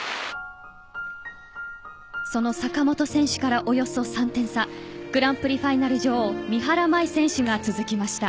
その坂本選手からおよそ３点差グランプリファイナル女王三原舞依選手が続きました。